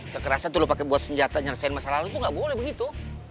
kekerasan tuh lu pake buat senjata nyelesain masalah lu tuh gak boleh begitu